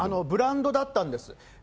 ブランドだったんです。